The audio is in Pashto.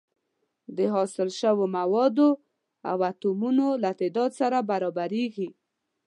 د حاصل شوو موادو د اتومونو له تعداد سره برابریږي.